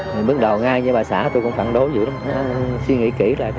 mình bắt đầu ngay với bà xã tôi cũng phản đối dữ lắm suy nghĩ kỹ lại đi